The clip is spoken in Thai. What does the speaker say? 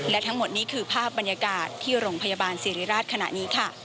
และทั้งหมดนี้คือภาพบรรยากาศที่โรงพยาบาลสิริราชขณะนี้ค่ะ